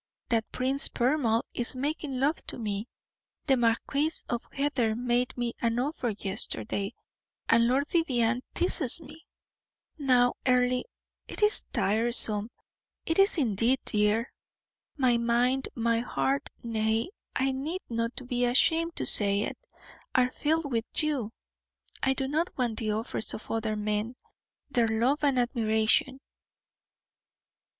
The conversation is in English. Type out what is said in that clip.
That Prince Poermal is making love to me, the Marquis of Heather made me an offer yesterday, and Lord Vivianne teases me. Now, Earle, it is tiresome, it is indeed, dear. My mind, my heart nay, I need not be ashamed to say it are filled with you. I do not want the offers of other men their love and admiration."